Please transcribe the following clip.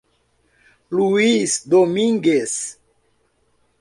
Luís Domingues